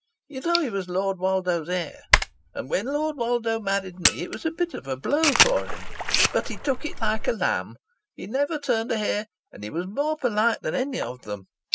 You know he was Lord Woldo's heir. And when Lord Woldo married me it was a bit of a blow for him! But he took it like a lamb. He never turned a hair, and he was more polite than any of them.